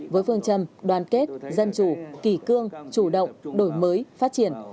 với phương châm đoàn kết dân chủ kỳ cương chủ động đổi mới phát triển